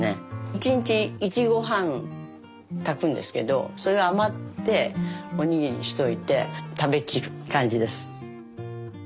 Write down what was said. １日１合半炊くんですけどそれが余っておにぎりにしといて食べきる感じです。